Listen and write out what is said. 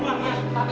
kalau anda pulang mas